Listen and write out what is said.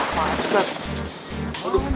emangnya diangkat angkat juga